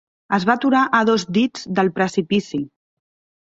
Es va aturar a dos dits del precipici.